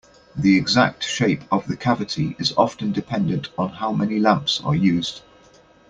The exact shape of the cavity is often dependent on how many lamps are used.